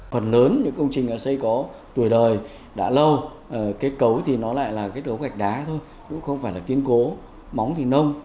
phần lớn những công trình xây có tuổi đời đã lâu kết cấu thì nó lại là cái đố gạch đá thôi cũng không phải là kiên cố móng thì nông